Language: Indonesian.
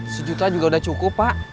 sejuta juga udah cukup pa